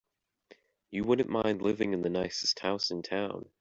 You wouldn't mind living in the nicest house in town.